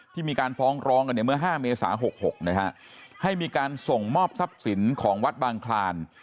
มีการฟ้องร้องกันเนี่ยเมื่อ๕เมษา๖๖นะฮะให้มีการส่งมอบทรัพย์สินของวัดบางคลาน